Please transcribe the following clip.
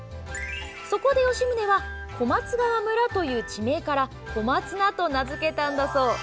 そこで吉宗は小松川村という地名から小松菜と名付けたんだそう。